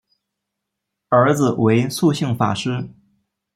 儿子为素性法师。